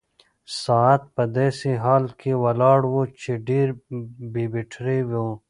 ساعت په داسې حال کې ولاړ و چې بې بيټرۍ و.